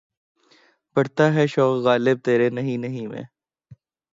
بڑھتا ہے شوق "غالب" تیرے نہیں نہیں میں.